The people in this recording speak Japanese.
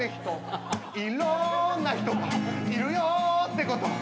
「いろんな人がいるよってこと」